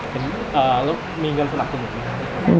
แล้วมีเงินสนับสนุนไหมครับ